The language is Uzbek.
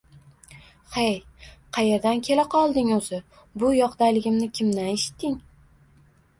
– Hey, qayerdan kepqolding, o‘zi? Bu yoqdaligimni kimdan eshitding?